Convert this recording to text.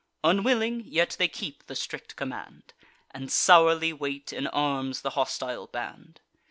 Unwilling, yet they keep the strict command, And sourly wait in arms the hostile band.